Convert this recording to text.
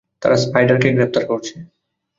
তারা স্পাইডারকে গ্রেফতার করছে।